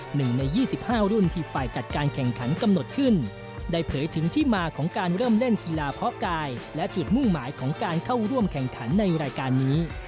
หนึ่งในยี่สิบห้ารุ่นที่ฝ่ายจัดการแข่งขันกำหนดขึ้นได้เผยถึงที่มาของการเริ่มเล่นกีฬาเพาะกายและจุดมุ่งหมายของการเข้าร่วมแข่งขันในรายการนี้